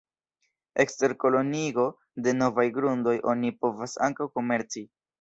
Ekster koloniigo de novaj grundoj oni povas ankaŭ komerci.